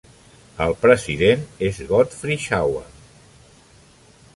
El president és Godfrey Shawa.